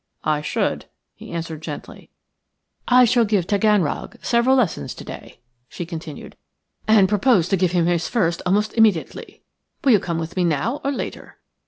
"I should," he answered, gently. "I shall give Taganrog several lessons to day," she continued, "and propose to give him his first almost immediately. Will you come with me now or later?